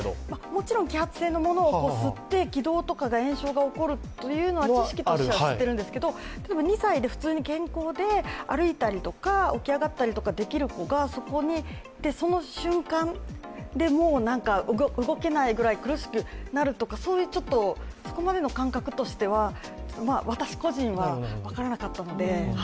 もちろん揮発性のものを吸って気道とかに炎症が起きるのは知識としては知っているんですけど、２歳で普通に健康で、歩いたりとか起き上がったりとかできる子がそこにいて、その瞬間、もう動けないぐらい苦しくなるとかそこまでの感覚としては私個人としては分からなかったので。